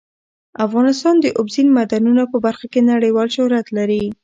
افغانستان د اوبزین معدنونه په برخه کې نړیوال شهرت لري.